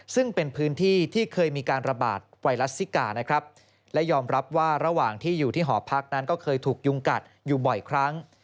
ซึ่งเป็นพื้นที่ที่เคยมีการระบาดไวรัสซิกานะครับและยอมรับว่าระหว่างที่อยู่ที่หอพักนั้นก็เคยถูกยุงกัดอยู่บ่อยครั้ง